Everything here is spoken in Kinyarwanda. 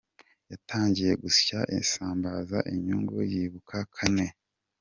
Yatangiye gusya isambaza inyungu yikuba kane.